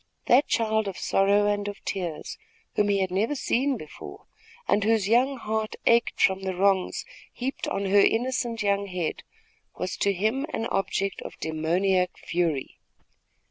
That child of sorrow and of tears, whom he had never seen before, and whose young heart ached from the wrongs heaped on her innocent young head, was to him an object of demoniac fury.